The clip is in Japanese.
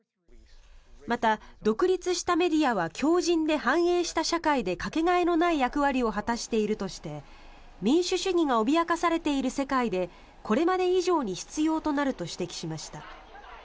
また、独立したメディアは強じんで繁栄した社会でかけがえのない役割を果たしているとして民主主義が脅かされている世界でこれまで以上に必要となると指摘しました。